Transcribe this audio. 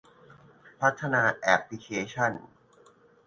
พัฒนาแอปพลิเคชัน